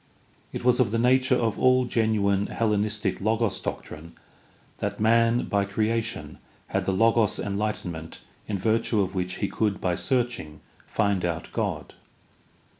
It was of the nature of all genuine Hellenistic Logos doctrine that man by creation had the Logos enlightenment in virtue of which he could by searching find out God.